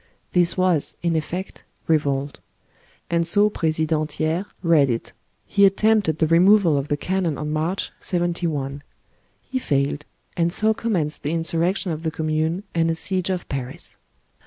This was, in effect, revolt ; and so President Thiers read it : He attempted the removal of the cannon on March, '71. He failed; and so commenced the insurrection of the Commune and a siege of Paris.